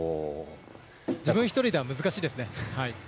自分一人では難しいですね。